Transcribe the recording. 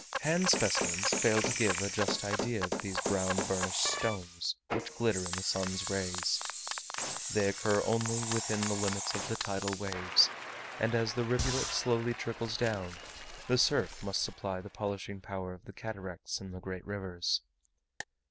Hand specimens fail to give a just idea of these brown burnished stones which glitter in the sun's rays. They occur only within the limits of the tidal waves; and as the rivulet slowly trickles down, the surf must supply the polishing power of the cataracts in the great rivers.